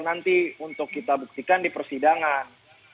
nanti untuk kita buktikan di persidangan